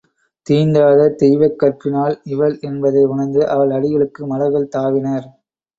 தீண்டாத தெய்வக் கற்பினாள் இவள் என்பதை உணர்ந்து அவள் அடிகளுக்கு மலர்கள் தாவினர்.